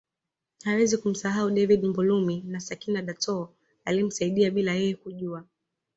Hawezi kumsahau David Mbulumi na Sakina Datoo aliyemsaidia bila yeye kujua